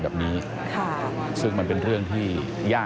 พบหน้าลูกแบบเป็นร่างไร้วิญญาณ